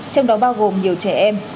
trong đó bao gồm nhiều trẻ em